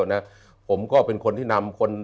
สองคนมาช่วงอนธิฐานนะ